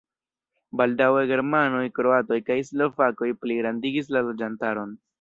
Baldaŭe germanoj, kroatoj kaj slovakoj pligrandigis la loĝantaron.